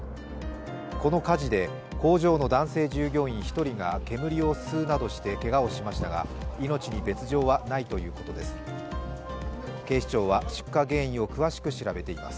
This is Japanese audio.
この火事で工場の男性従業員１人が煙を吸うなどしてけがをしましたが、命に別状はないということです。